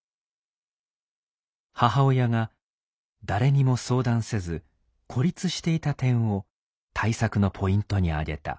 母親が誰にも相談せず孤立していた点を対策のポイントに挙げた。